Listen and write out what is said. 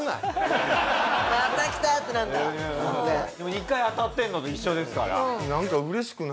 でも２回当たってるのと一緒ですから。